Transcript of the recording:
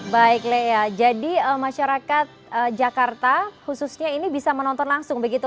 baik lea jadi masyarakat jakarta khususnya ini bisa menonton langsung begitu